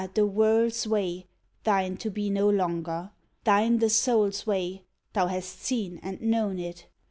the world's way thine to be no longer ; Thine the soul's way, thou hast seen and known it